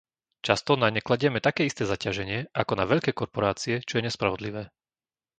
Často na ne kladieme také isté zaťaženie ako na veľké korporácie, čo je nespravodlivé.